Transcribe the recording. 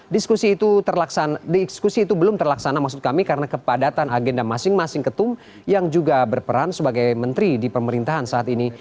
diskusi itu belum terlaksana maksud kami karena kepadatan agenda masing masing ketum yang juga berperan sebagai menteri di pemerintahan saat ini